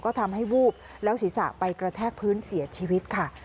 ก็ทำให้วูบแล้วศีรษะไปกระแทกพื้นเสียชีวิตค่ะ